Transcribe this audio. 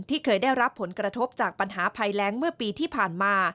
เคยได้รับผลกระทบจากปัญหาภัยแรงเมื่อปีที่ผ่านมา